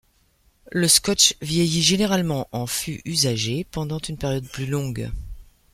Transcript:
Le scotch vieillit généralement en fûts usagés pendant une période plus longue.